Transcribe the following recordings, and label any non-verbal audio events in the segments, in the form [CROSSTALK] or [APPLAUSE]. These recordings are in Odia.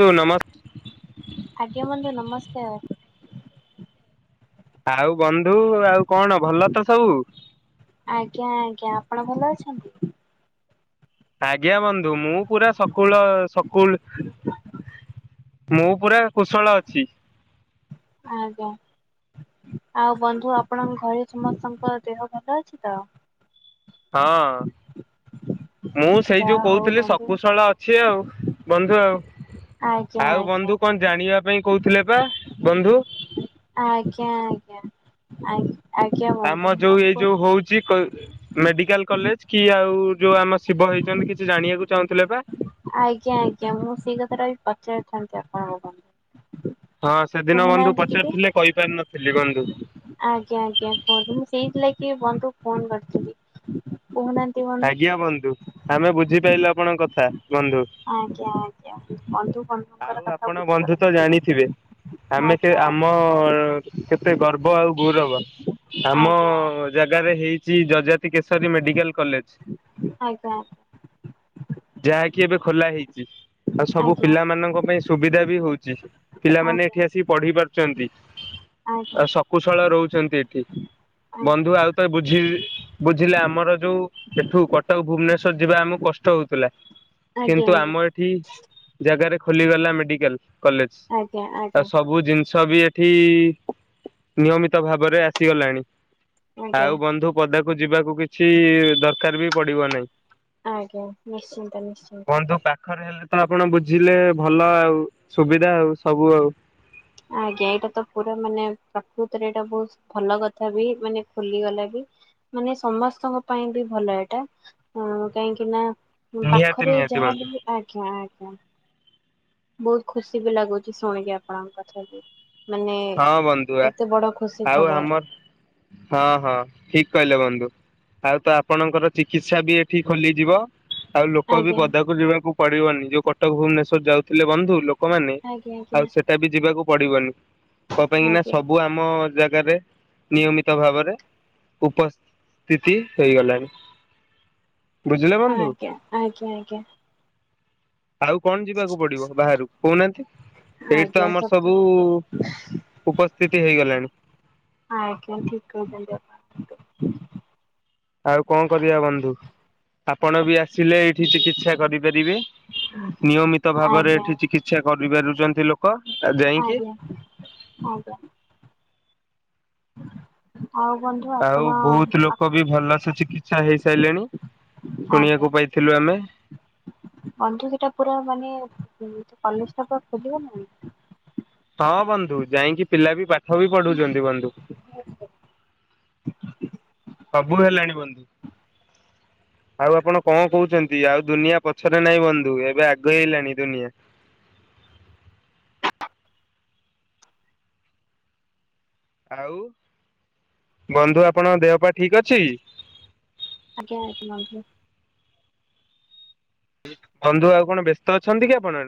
ବନ୍ଧୁ ନମ ଆଜ୍ଞା ବନ୍ଧୁ ନମସ୍କାର। ଆଉ ବନ୍ଧୁ ଆଉ କଣ ଭଲ ତ ସବୁ? ଆଜ୍ଞା ଆଜ୍ଞା ଆପଣ ଭଲ ଅଛନ୍ତି? ଆଜ୍ଞା ବନ୍ଧୁ ମୁଁ ପୁରା ସକୁଳ ସକୁ ମୁଁ ପୁରା କୁଶଳ ଅଛି। ଆଜ୍ଞା ଆଉ ବନ୍ଧୁ ଆପଣଙ୍କ ଘରେ ସମସ୍ତଙ୍କ ଦେହ ଭଲ ଅଛି ତ? ହଁ। ମୁଁ ସେଇ ଯୋଉ ଯାହା ହଉ କହୁଥିଲି ବନ୍ଧୁ। ଶକୁଶଳ ଅଛି ଆଉ ବନ୍ଧୁ ଆଉ। ଆଜ୍ଞା ଆଉ ଆଜ୍ଞା। ବନ୍ଧୁ କଣ ଜାଣି ପାଇଁ କହୁ ଥିଲେପା ବନ୍ଧୁ ଆଜ୍ଞ ଆମ ଯୋଉ ଏଇ ଯୋଉ ହଉଚି କଇ ମେଡିକାଲ କଲେଜ କି ଆ ଯୋଉ ଆମ ଶିବ ହେଇଛନ୍ତି କିଛି ଜାଣିବାକୁ ଚାହୁଁଥିଲେ ବା? ଆଜ୍ଞା ଆଜ୍ଞା ମୁଁ ସେଇ କଥାଟା ବି ପଚାରିଥାନ୍ତି ଆପଣଙ୍କୁ ହଁ ସେଦିନ ବନ୍ଧୁ କହୁନାହାନ୍ତି ଟିକେ ପଚାରିଥିଲେ କହିପାରିନ ଆଜ୍ଞା ଆଜ୍ଞା କୁହନ୍ତୁ ମୁଁ ସେ ହେଇଥିଲା କି ବନ୍ଧୁ ଫୋନ କରିଥିଲି। କହୁନାହାନ୍ତି ବନ୍ଧୁ। ଆଜ୍ଞା ବୁନ୍ଧୁ ଆମେ ବୁଝିପାରିଲୁ ଆପଣଙ୍କ କଥା। ବନ୍ଧୁ ଆଜ୍ଞା ଆଜ୍ଞା ବନ୍ଧୁ ବନ୍ଧୁଙ୍କର ଆଉ କଥା ଆପଣ ବନ୍ଧୁ ତ ବୁଝିପାରନ୍ତି। ଜାଣିଥିବେ ଆମେ ସେ ଆଜ୍ଞା ଆମ ଆଜ୍ଞା କେତେ ଗର୍ବ ଆଉ ଗୌ ରବ ଆମ ଆଜ୍ଞା ଜାଗାରେ ହେଇ ଜି ଜଜା ତି କେଶରୀ ମେଡିକାଲ କଲେଜ। ଆଜ୍ଞା ଯାହାକି ଏବେ ଖୋଲା ହେଇଚି। ଆଉ ସବୁ ଆଜ୍ଞା ପିଲା ତିଙ୍କ ପାଇଁ ସୁବିଧା ବି ହଉଚି। ପିଲାମାନେ ଆଜ୍ଞା। ଏଠି ଆସି ପଢ଼ି ପାରୁ ଛନ୍ତିି। ଆଜ୍ଞା ଆଉ ଶକୁଶଳା ରହୁ ଛନ୍ତି ଏଠି। ବନ୍ଧୁ ଆଉଥରେ ବୁଝିବି ବୁଝିଲେ ଆମର ଯୋଉ ଏଠୁ କଟକ ଭୁବନେଶ୍ଵର ଯିବା ଆମକୁ କଷ୍ଟ ହଉଥିଲା। ଆଜ୍ଞା କିନ୍ତୁ ଆମ ଏଠି ଜାଗାରେ ଖୋଲିଗଲା ମେଡିକାଲ। କଲେଜ ଆଜ୍ଞା ଆଜ୍ଞା ଆଉ ଆଜ୍ଞା ସବୁ ଜିନି ସବି ଏଠି ନିୟମିତ ଭାବରେ ଆସିଗଲାଣି। ଆଜ୍ଞା ଆଉ ବନ୍ଧୁ ପଦାକୁ ଯିବାକୁ କିଛି ଦରକାର ବି ପଡିବ ନାହିଁ। ଆଜ୍ଞା ନିଶ୍ଚିନ୍ତ ନିଶ୍ଚିନ୍ତ। ବନ୍ଧୁ ପାଖରେ ହେଲେ ତ ଆପଣ ବୁଝିଲେ ଭଲ ଆଉ ସୁବିଧା ଆଉ ସବୁ ଆଉ। ଆଜ୍ଞା ଏଇଟା ତ ପୁରା ମାନେ ପ୍ରକୃତରେ ଏଇଟା ବହୁତ ଭଲ କଥା ବି ମାନେ ଖୋଲିଗଲା ବି ମାନେ ସମସ୍ତଙ୍କ ପାଇଁ ବି ଭଲ ଏଇଟା କାହିଁକି ନା ନିହାତି ପାଖରେ ନିହାତି ଯାହା ବନ୍ଧୁ ବି ଆଜ୍ଞା ଆଜ୍ଞା। ହଁ। ବହୁତ ଖୁସି ବି ଲାଗୁଚି ଶୁଣିକି ଆପଣଙ୍କ କଥା ବି। ମାନେ ହଁ ବନ୍ଧୁଆ ଏତେ ବଡ ଖୁସି ଆଉ ଖବର ଆମର ହଁ ହଁ ଠିକ କହିଲେ ବନ୍ଧୁ। ଆଉ ତ ଆପଣଙ୍କର ଚିକିତ୍ସା ବି ଏଠି ଖୋଲିଯିବ। ଆଉ ଲୋକ ବି ଆଜ୍ଞା ପଦାକୁ ଯିବାକୁ ପଡ଼ିବନି ଜୋଉ କଟକ ଭୁବନେଶ୍ୱର ଯାଉଥିଲେ ବନ୍ଧୁ ଲୋକ ଲୋକମାନେ ଆଜ୍ଞା ଆଉ ଆଜ୍ଞା ସେଟା ବି ଯିବାକୁ ପଡିବନି। କଁ ପାଇଁ କି ନା ଆଜ୍ଞା ସବୁ ଆମ ଯାଜ ଜାଗାରେ ନିୟମିତ ଭାବରେ ଉପସ୍ଥିତି ହେଇଗଲାଣି। ବୁଝିଲେ ହଁ ବନ୍ଧୁ। ଆଜ୍ଞା ଆଜ୍ଞା ଆଜ୍ଞା। ଆଉ କଣ ଯିବାକୁ ପଡିବ ବାହାରୁକୁ କହୁନାହାନ୍ତି ଏଇଠି ତ ଆଜ୍ଞା ଆମର ସତ ସବୁ ଉପସ୍ଥିତି ହେଇଗଲାଣି। ଆଜ୍ଞା ଠିକ କହିଚନ୍ତି ଆପଣ। ଆଉ କଣ କରିବା ବନ୍ଧୁ ଆପଣ ବି ଆସିଲେ ଏଇଠି ଚିକିତ୍ସା କରିପାରିବେ ନିୟମିତ ଭାବରେ ଆଜ୍ଞା ଏଇଠି ଚିକିତ୍ସା କରିପାରୁଚନ୍ତି ଲୋକ ଯାଇଁକି ଆଜ୍ଞା ଆଜ୍ଞା ଆଉ ବନ୍ଧୁ ଆପଣ ଆଉ ବହୁତ ଲୋକ ବି ଭଲସେ ଚକି କିତ୍ସା ହେଇସାଇଲେଣି। ଆଜ୍ଞା ବନ୍ଧୁ ସେଟା ପୁରା ମାନେ କଲେଜ ଟା ପ ଖୋଲିବ ନା ନାହିଁ। ହଁ ବନ୍ଧୁ ଯାଇଁକି ପିଲା ବି ପାଠ ପାଠ ବି ପଢୁଛନ୍ତି ବନ୍ଧୁ। ସବୁ [UNINTELLIGIBLE] ହେଲାଣି ବନ୍ଧୁ। ଆଉ ଆପଣ କଣ କହୁଛନ୍ତି ଆଉ ଦୁନିଆ ପଛରେ ନାହିଁ ବନ୍ଧୁ ଏବେ ଆଗେଇଇଲାଣି ଦୁନିଆ ଆଉ ବନ୍ଧୁ ଆପଣଙ୍କ ଦେହ ପା ଠିକ ଅଛି? ଆଜ୍ଞା [UNINTELLIGIBLE] ବନ୍ଧୁ। ତ ଅଛନ୍ତି କି ଆପଣ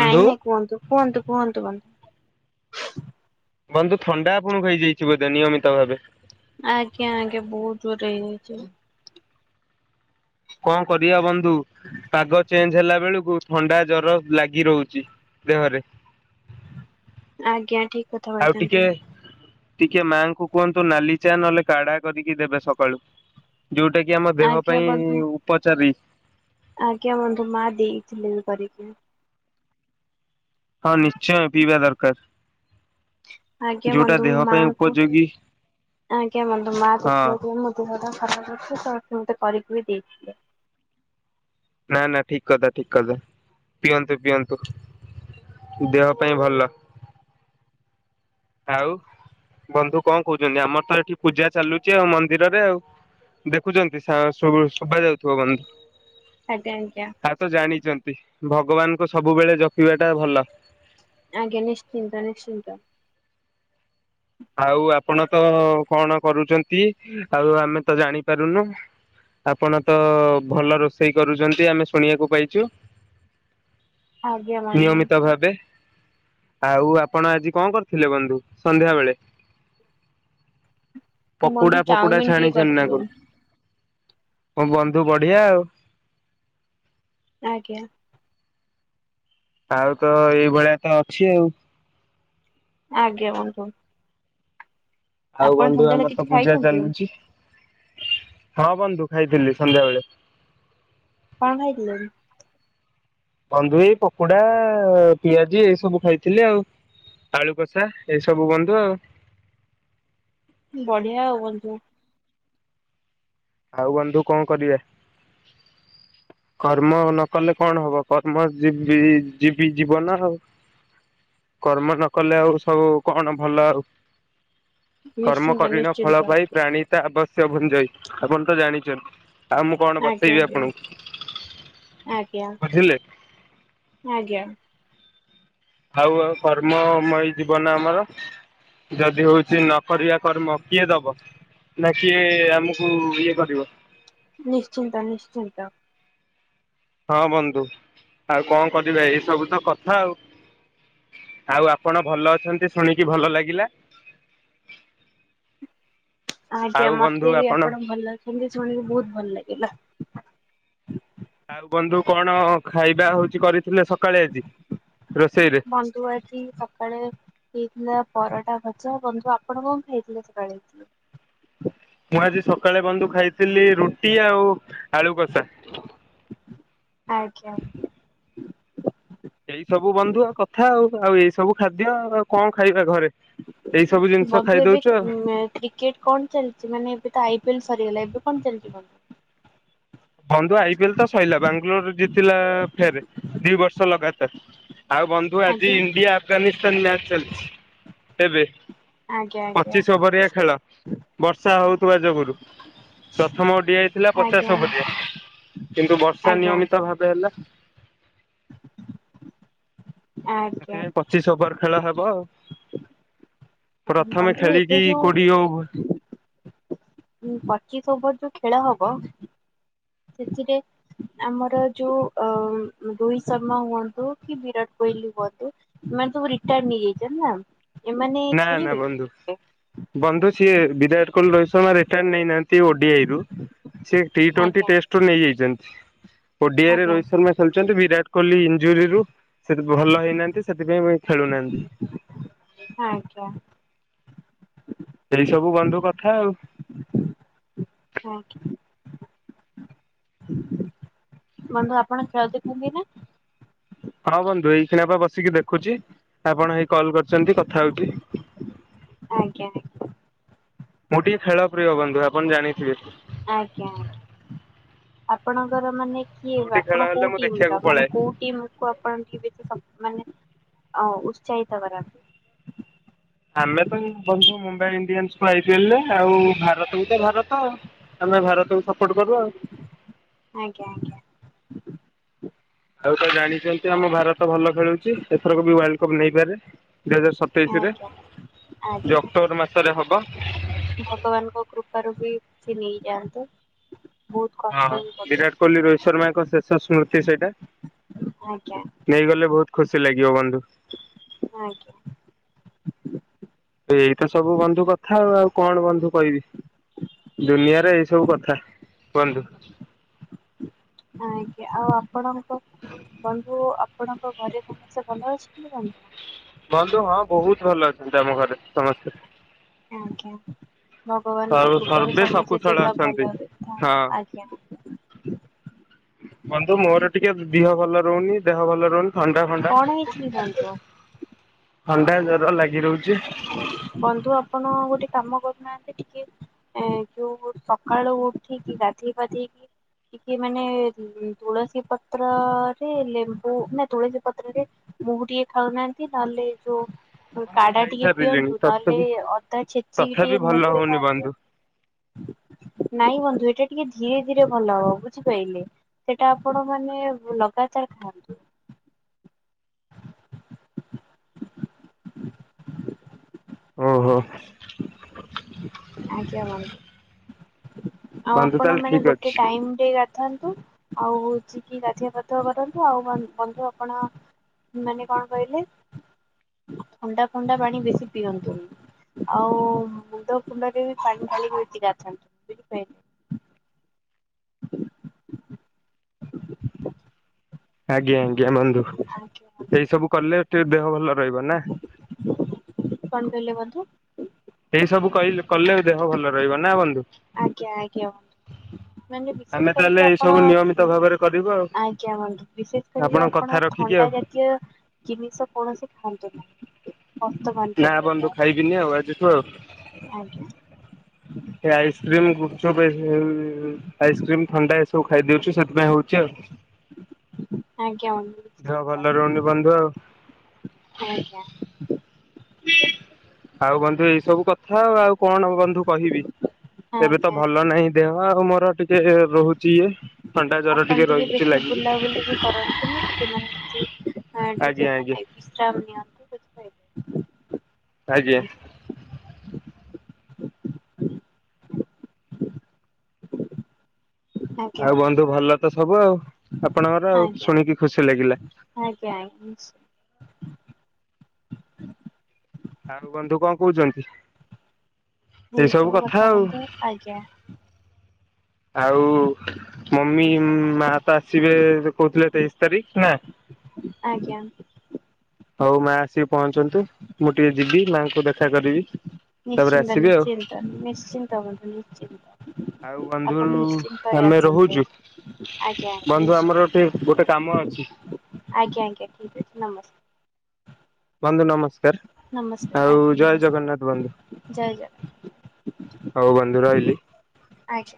ନାଇଁ ନାଇଁ କୁହନ୍ତୁ କୁହନ୍ତୁ କୁହନ୍ତୁ ବନ୍ଧୁ। ବନ୍ଧୁ ଥଣ୍ଡା ଆପଣଙ୍କୁ ହେଇଯାଇଛି ବୋଧେ ନିୟମିତ ଭାବେ? ଆଜ୍ଞା ଆଜ୍ଞା ବହୁତ୍ ଜୋରେ ହେଇଯାଇଛି। କଣ କରିଆ ବନ୍ଧୁ ପାଗ ଚେଞ୍ଜ ହେଲା ବେଳକୁ ଥଣ୍ଡା ଜର ଲାଗି ରହୁଛି ଦେହରେ। ଆଜ୍ଞା ଠିକ୍ କଥା ଆଉ ଟିକେ କହିଛନ୍ତି। ଟିକେ ମାଆଙ୍କୁ କୁହନ୍ତୁ ନାଲି ଚା ନହେଲେ କାଢା କରିକି ଦେବେ ସକାଳୁ। ଯୋଉଟା କି ଆମ ଦେହ ଆଜ୍ଞା ପାଇଁ ବନ୍ଧୁ ଉପଚାରୀ। ଆଜ୍ଞା ବନ୍ଧୁ, ମା ଦେଇଥିଲେ କରିକି। ହଁ ନିଶ୍ଚୟ ପିଇବା ଦରକାର। ଆଜ୍ଞା ଯୋଉଟା ବନ୍ଧୁ ଦେହ ମୁଁ ପାଇଁ ମାଙ୍କୁ ଉପଯୋଗୀ ଆଜ୍ଞା ବନ୍ଧୁ ମା ହଁ ଦେଖିଲେ ମୋ ଦେହ ଟା ଖରାପ ଅଛି ତ ମତେ କରିକି ବି ଦେଇଥିଲେ। ନା ନା ଠିକ କଥା ଠିକ କଥା ପିଅନ୍ତୁ ପିଅନ୍ତୁ ଦେହ ପାଇଁ ଭଲ। ଆଉ ବନ୍ଧୁ କଣ କହୁଛନ୍ତି ଆମର ତ ଏଠି ପୂଜା ଚାଲୁଛି ଆଉ ମନ୍ଦିରରେ ଆଉ ଦେଖୁଛନ୍ତି ଶୁଭା ଯାଉଥିବ ବନ୍ଧୁ। ଆଜ୍ଞା ଆଜ୍ଞା ଆ ତ ଜାଣିଛନ୍ତି ଭଗବାନଙ୍କୁ ସବୁବେଳେ ଜପିବା ଟା ଭଲ। ଆଜ୍ଞା ନିଶ୍ଚିନ୍ତ ନିଶ୍ଚିନ୍ତ। ଆଉ ଆପଣ ତ କଣ କରୁଛନ୍ତି। ଆଉ ଆମେ ତ ଜାଣିପାରୁନୁ। ଆପଣ ତ ଭଲ ରୋଷେଇ କରୁଛନ୍ତି ଆମେ ଶୁଣିବାକୁ ପାଇଛୁ। ଆଜ୍ଞା ବନ୍ଧୁ ନିୟମିତ ଭାବେ। ଆଉ ଆପଣ ଆଜି କଣ କରିଥିଲେ ବନ୍ଧୁ ସନ୍ଧ୍ୟା ବେଳେ? ପକୁଡା ବନ୍ଧୁ ଫକୁଡା ଚାଉମିିନ ଟିକେ ଛାଣିଛନ୍ତିନା କରିଥିଲୁ। କ ମୋ ବନ୍ଧୁ ବଢ଼ିଆ ଆଉ। ଆଜ୍ଞା। ଆଉ ତ ଏଇ ଭଳିଆ ତ ଅଛି ଆଉ। ଆଜ୍ଞା ବନ୍ଧୁ। ଆଉ ଆପଣ ବନ୍ଧୁ ସନ୍ଧ୍ୟାବେଳେ ଆମର ତ କିଛି ପୂଜା ଖାଇଛନ୍ତି? ଚାଲୁଚି। ହଁ ବନ୍ଧୁ ଖାଇଥିଲି ସନ୍ଧ୍ୟାବେଳେ। କଣ ଖାଇଥିଲ କି? ବନ୍ଧୁ ଏଇ ପକୋଡା ପିଆଜି ଏଇ ସବୁ ଖାଇଥିଲି ଆଉ ଆଳୁ କଷା ଏଇ ସବୁ ବନ୍ଧୁ ଆଉ। ବଢ଼ିଆ ଆଉ ବନ୍ଧୁ। ଆଉ ବନ୍ଧୁ କଣ କରିବା କର୍ମ ନକଲେ କଣ ହବ କର୍ମ ଯିବି ଯିବି ଜୀବନ ଆଉ କର୍ମ ନ କଲେ ଆଉ ସବୁ କଣ ଭଲ ଆଉ। ନିଶ୍ଚିନ୍ତ କର୍ମକରିଣ ଫଳ ନିଶ୍ଚିନ୍ତ ପାଇ ପ୍ରାଣୀତା ଆବଶ୍ ସେ ଭୁଞ୍ଜାଇ। ଆପଣ ତ ଜାଣିଚନ୍ତି। ଆଉ ମୁଁ କଣ ଆଜ୍ଞା ବସେଇବି ଆଜ୍ଞା। ଆପଣଙ୍କୁ ଆଜ୍ଞା ପଠେଇଲେ। ଆଜ୍ଞା ଥାଉ ଆଉ କର୍ମମଇ ଜୀବନ ଆମର ଯଦି ହଉଚି ନ କରିବା କର୍ମ କିଏ ଦବ ନା କିଏ ଆମକୁ ଇଏ କରିବ। ନିଶ୍ଚିନ୍ତ ନିଶ୍ଚିନ୍ତ। ହଁ ବନ୍ଧୁ ଆଉ କଣ କରିବା ଏଇସବୁ ତ କଥା ଆଉ ଆଉ ଆପଣ ଭଲ ଅଛନ୍ତି ଶୁଣିକି ଭଲ ଲାଗିଲା। ଆଜ୍ଞା ଆଉ ବନ୍ଧୁ ମତେ ବି ଆପଣ ଭଲ ଅଛନ୍ତି ଶୁଣିକି ବହୁତ ଭଲ ଲାଗ୍ ଗିଲା ଆଉ ବନ୍ଧୁ କଣ ଖାଇବା ହଉଚି କରିଥିଲେ ସକ୍ କାଳେ ଆଜି? ରୋଷେଇରେ? ବନ୍ଧୁ ଆଜି ସକାଳେ ହେଇଥିଲା ପରଟା ଭଜା ବନ୍ଧୁ ଆପଣ କଣ ଖାଇଥିଲେ ସେକାଳେ? ମୁଁ ଆଜି ସକାଳେ ବନ୍ଧୁ ଖାଇଥିଲି ରୁଟି ଆଉ ଆଳୁ କସା। ଆଜ୍ଞା। ଏଇ ସବୁ ବନ୍ଧୁ ଆ କଥା ଆଉ ଆଉ ଏଇ ସବୁ ଖାଦ୍ୟ ଆ କଣ ଖାଇବା ଘରେ। ଏଇ ସବୁ ଜିନିଷ ବନ୍ଧୁ ଏବେ ଖାଇଦଉଛୁ ଆଉ ଉଁ କ୍ରିକେଟ କଣ ଚାଲିଛି ମାନେ ଏବେ ତ ଆଇ ପି ଏଲ୍ ସରିଗଲା ଏବେ କଣ ଚାଲିଛି ବନ୍ଧୁ? ବନ୍ଧୁ ଆଇ ପିଏ ଲ ତ ସରିଲା ବାଙ୍ଗାଲୋର ଜିତିଲା ଫେରେ ଦି ବର୍ଷ ଲଗାତାର। ଆଉ ବନ୍ଧୁ ଆଜି ଆଜ୍ଞା ଇଣ୍ଡିଆ ଆଫଗାନିସ୍ତାନ ମ୍ୟାଚ ଚାଲ୍ [UNINTELLIGIBLE] ଏବେ। ଆଜ୍ଞା ଆଜ୍ଞା ପଚିଶ ଓଭରିଆ ଖେଳ ବର୍ଷା ହଉ ତୁଆ ଯୋଗୁରୁ। ପ୍ରଥମ ଓଡ଼ିଆଇ ଥିଲା ପଚାଶ ଆଜ୍ଞା ଓଭର। କିନ୍ତୁ ବର୍ଷା ଆଜ୍ଞା ନିୟମିତ ଭାବେ ହେଲା ଆଜ୍ଞା ସେଥିପାଇଁ ପଚିଶ ଓଭର ଖେଳ ହେବ ଆଉ। ପ୍ରଥମେ ବନ୍ଧୁ ଖେଳି ଏବେ କି ଯୋଉ କୋଡିଏ ଓଭର୍ ପଚିଶ ଓଭର ଯୋଉ ଖେଳ ହବ ସେଥିରେ ଆମର ଯୋଉ ଅ ରୋହିତ ଶର୍ମା ହୁଅନ୍ତୁ କି ବିରାଟ କୋହଲି ହୁଅନ୍ତୁ ଏମାନେ ସବୁ ରିଟାୟାର୍ ନେଇଯାଇଛନ୍ତି ନା। ଏମାନେ ନା ନା ଖେଳିବେ? ବନ୍ଧୁ ବନ୍ଧୁ ସିଏ ବିରାଟ କୋହଲି ରୋହିତ ଶର୍ମା ରିଟାୟାଡ଼ ନେଇନାହାନ୍ତି ଓଡିଆଇରୁୁ। ସେ ଟି ଟ୍ୱେଣ୍ଟି ଆଜ୍ଞା ଟେଷ୍ଟ ରୁ ନେଇଯାଇଛନ୍ତି। ଓଡିଆଇ ରେ ଆଜ୍ଞା ରୋହିତ ଶର୍ମା ଖେଳୁଛନ୍ତି ବିରାଟ କୋହଲି ଇଞ୍ଜୁରିରୁ ସେ ଭଲ ହେଇନାହାନ୍ତି ସେଥିପାଇଁ ମୁ ଖେଳୁନାହାନ୍ତି ଆଜ୍ଞା ଏଇ ସବୁ ବନ୍ଧୁ କଥା ଆଉ ଆଁ ବନ୍ଧୁ ଆପଣ ଖେଳ ଦେଖନ୍ତି ନା? ହଁ ବନ୍ଧୁ ଏଇ କ୍ଷିଣା ପା ବସିକି ଦେଖୁଛି ଆପଣ ହେଇ କଲ କରିଛନ୍ତି କଥା ହଉଛି ଆଜ୍ଞା ଆଜ୍ଞା ମୁଁ ଟିକେ ଖେଳ ପ୍ରିୟ ବନ୍ଧୁ ଆପଣ ଜାଣିଥିବେ ଆଜ୍ଞା ଆଜ୍ଞା ଆପଣଙ୍କର ମାନେ କିଏ ଯୋଉଠି ଖେଳ ଆପଣ ହେଲେ ମୁଁ କୋଉଟିମ ଦେଖିବାକୁ ର ମାନେ ପଳାଏ। କୋଉ ଟିମ କୁ ଆପଣ [UNINTELLIGIBLE] ମାନେ ଓ ଉତ୍ସାହିତ କରିବାକୁ ଆମେ ତ ବନ୍ଧୁ ମୁମ୍ବାଇ ଇଣ୍ଡିଆନ୍ସକୁ ଆଇ ପିଏଲରେ ଆଉ ଭାରତକୁ ତ ଭାରତ ଆମେ ଭାରତକୁ ସପୋର୍ଟ କରୁ ଆଉ ଆଜ୍ଞା ଆଜ୍ଞା ଆଉ ତ ଜାଣିଛନ୍ତି ଆମ ଭାରତ ଭଲ ଖେଳୁଛି ଏଥରକୁ ବି ୱାର୍ଲଡ କପ୍ ନେଇପାରେ ଦୁଇ ହଜାର ସତେଇଶରେ ଆଜ୍ଞା। ଆଜ୍ଞା ଯେଉଁ ଅକ୍ଟୋବର ମାସରେ ହେବ ଭଗବାନଙ୍କ କୃପାରୁ ବି ସେ ନେଇଯାଆନ୍ତୁ ବହୁତ କଷ୍ଟ ହଁ ବି ବିରାଟ କରୁଛନ୍ତି କୋହଲି ରୋହିତ ଶର୍ମା ଙ୍କ ଶେଷ ସ୍ମୃତି ସେଇଟା। ଆଜ୍ଞା ନେଇଗଲେ ବହୁତ ଖୁସି ଲାଗିବ ବନ୍ଧୁ ଆଜ୍ଞା ଏଇତ ସବୁ ବନ୍ଧୁ କଥା ଆଉ ଆଉ କଣ ବନ୍ଧୁ କହିବି ଦୁନିଆରେ ଏଇ ସବୁ କଥା ବନ୍ଧୁ ଆଜ୍ଞା ଆଉ ଆପଣ ବନ୍ଧୁ ଆପ ଆପଣଙ୍କ ଘରେ ସମସ୍ତେ ଭଲ ଅଛନ୍ତି ବନ୍ଧୁ? ବନ୍ଧୁ ହଁ ବହୁତ ଭଲ ଅଛନ୍ତି ଆମ ଘରେ ସମସ୍ତେ। ଆଜ୍ଞା। ଭଗବାନଙ୍କ କୃପାରୁ ସର୍ବେ ସମସ୍ତେ ସକୁଶଳ ସେଇ ଭଳିଆ ଅଛନ୍ତି। ଭଲରେ ହଁ ଥାଆନ୍ତୁ ଆଜ୍ଞା। ବନ୍ଧୁ ମୋର ଟିକେ ଦିହ ଭଲ ରହୁନି ଦେହ ଭଲ ରହୁନି ଥଣ୍ଡା ଫଣ୍ଡା କଣ ହେଇଛି କି ବନ୍ଧୁ? ଥଣ୍ଡା ଜର ଲାଗି ରହୁଚି ବନ୍ଧୁ ଆପଣ ଗୋଟେ କାମ କରୁନାହାନ୍ତି, ଟିକେ ଏଁ ଯୋଉ ସକାଳୁ ଉଠିକି ଗାଧେଇ ପାଧେଇକି ଟିକେ ମାନେ ଉଁ ତୁଳସୀ ପତ୍ରରେ ଲେମ୍ବୁ ନା ତୁଳସୀ ପତ୍ରରେ ମହୁ ଟିକେ ଖାଉନାହାନ୍ତି ନହେଲେ ଯୋଉ ବନ୍ଧୁ କାଡା ଟିକେ ଖାଇସାରିଲିଣି ପିଅନ୍ତୁ ତଥାପି ନହେଲେ ଅଦା ଛେଚିକି ଟିକେ ତଥାପି ଭଲ ମହୁ ରେ ହଉନି ଖାଆନ୍ତୁ ବନ୍ଧୁ। ନାଇଁ ବନ୍ଧୁ ସେଇଟା ଟିକେ ଧୀରେ ଧୀରେ ଭଲ ହବ ବୁଝିପାରିଲେ ସେଟା ଆପଣ ମାନେ ଲଗାତାର ଖାଆନ୍ତୁ। ହଁ। [UNINTELLIGIBLE] ଆଉ ବନ୍ଧୁ ଆପଣ ତାହେଲେ ମାନେ ଠିକ ଗୋଟେ ଅଛି ଟାଇମ ରେ ଗାଧାନ୍ତୁ। ଆଉ ହଉଚିକି ଗାଧିଆ ପଥୁଆ କରନ୍ତୁ ଆଉ ବନ୍ଧୁ ଆପଣ ମାନେ କଣ କହିଲେ ଥଣ୍ଡା କୁଣ୍ଡା ପାଣି ବେଶୀ ପିଅନ୍ତୁନି। ଆଉ ମୁଣ୍ଡ ଫୁଣ୍ଡରେ ବି ପାଣି ଢାଳି ବେସି ଗାଧାନ୍ତୁନି ବୁଝିପାଇଲେ। ଆଜ୍ଞା ଆଜ୍ଞା ବନ୍ଧୁ ଆଜ୍ଞା ବନ୍ଧୁ। ଏଇ ସବୁ କଲେ ଟିକେ ଦେହ ଭଲ ରହିବ ନା କଣ କହିଲେ ବନ୍ଧୁ? ଏଇ ସବୁ କହିଲେ କଲେ ଦେହ ଭଲ ରହିବ ନା ବନ୍ଧୁ ଆଜ୍ଞା ଆଜ୍ଞା ବନ୍ଧୁ, ମାନେ ଆମେ ବିଶେଷ ତାହେଲେ କରିକି ଏଇ ଆପଣ ସବୁ ନିୟମିତ ଭାବରେ କରିବୁ ଆଉ ଆଜ୍ଞା ବନ୍ଧୁ ବିଶେଷ କରିକି ଆପଣଙ୍କ ଆପଣ କଥା ରଖିକି ଥଣ୍ଡା ଆଉ ଜାତୀୟ ଜିନିଷ କୌଣସି ହନ୍ତ ନାହିଁ ବର୍ତ୍ତମାନ ନା ପର୍ଯ୍ୟନ୍ତ ବନ୍ଧୁ ଖାଇବିନି ଆଉ ଆଜିଠୁ ଆଉ। ଆଜ୍ଞା ଆଇସ୍କ୍ରିମ ଗୁପଚୁପ ଏ -ଆଇସ୍କ୍ରିମ ଥଣ୍ଡା ଏ ଖାଇଦଉଛୁ ସେଥିପାଇଁ ହଉଛି ଆଉ। ଆଜ୍ଞା ବନ୍ଧୁ ଦେହ ଭଲ ନିଶ୍ଚିନ୍ତ। ରହୁନି ବନ୍ଧୁ ଆଉ। ଆଜ୍ଞା। ଆଉ ବନ୍ଧୁ ଏଇ ସବୁ କଥା ଆଉ ଆଉ କଣ ବନ୍ଧୁ କହିବି ଏବେ ତ ଆଜ୍ଞା ଭଲ ନାହିଁ ଦେହ ଆଉ ମୋ ଜର ଆପଣ ଟିକେ ରହିଛି ବେଶୀ ଲାଗିକି। ବୁଲାବୁଲି ବି କରନ୍ତୁନି ଟିକେ ମାନେ ଏମତି ଆଜ୍ଞା ଟିକେ ଆଜ୍ଞା ମାନେ ବିଶ୍ରାମ ନିଅନ୍ତୁ ବୁଝିପାଇଲେ। ଆଜ୍ଞା। ଆଜ୍ଞା ଆଜ୍ଞା ଆଉ ବନ୍ଧୁ ଭଲ ତ ସବୁ ଆଉ ଆପଣଙ୍କର ଆଉ ଆଜ୍ଞା ଶୁଣିକି ଖୁସି ଲାଗିଲା। ଆଜ୍ଞା ନିଶ୍ଚୟ ଆଉ ବନ୍ଧୁ କଣ କହୁଛନ୍ତି? ଏଇ ସବୁ କଥା ବନ୍ଧୁ ଆଜ୍ଞା। ଆଉ ମମି ମା ତ ଆସିବେ କହୁଥିଲେ ତେଇଶ ତାରିଖ ନା। ଆଜ୍ଞା। ହଉ ମା ଆସିକି ପହଞ୍ଚନ୍ତୁ ମୁଁ ଟିକେ ଯିବି ମାଆଙ୍କୁ ଦେଖ ନିଶ୍ଚିନ୍ତ ନିଶ୍ଚିନ୍ତ ନିଶ୍ଚିନ୍ତ ହୁଅନ୍ତୁ ଆଉ ନିଶ୍ଚିନ୍ତ ବନ୍ଧୁ ଆପଣ ନିଶ୍ଚିନ୍ତରେ ଆମେ ଆସନ୍ତୁ ରହୁଛୁ ଆଜ୍ଞା ଆଜ୍ଞା ବନ୍ଧୁ ଆମର ଗୋଟେ ଗୋଟେ କାମ ନିଶ୍ଚୟ ଅଛି। ଆଜ୍ଞା ଆଜ୍ଞା ଠିକ ଅଛି ନମସ୍କାର। ବନ୍ଧୁ ନମସ୍କା ନମସ୍କାର କାର ଆଉ ଆଜ୍ଞା ଜୟ ନମସ୍କାର ଜଗନ୍ନାଥ ବନ୍ଧୁ ଜୟ ଜଗନ୍ନାଥ ହଉ ବନ୍ଧୁ ରହିଲି। ଆଜ୍ଞା